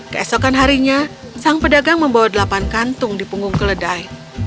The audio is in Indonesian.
keesokan harinya sang pedagang membawa delapan kantung di punggung keledai